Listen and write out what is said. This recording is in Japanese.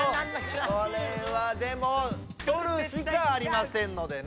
これはでもとるしかありませんのでね。